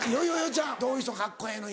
ちゃんどういう人カッコええの？